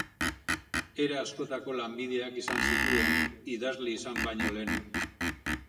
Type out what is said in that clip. Era askotako lanbideak izan zituen, idazle izan baino lehen.